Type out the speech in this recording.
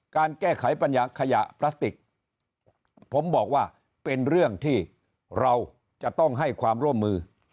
การแก้ไขปัญหาขยะพลาสติกผมบอกว่าเป็นเรื่องที่เราจะต้องให้ความร่วมมือ